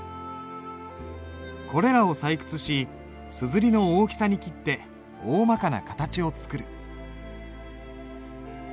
これらを採掘し硯の大きさに切っておおまかな形を作る。